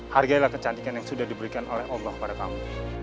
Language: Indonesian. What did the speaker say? hargailah kecantikan yang sudah diberikan oleh allah pada kamu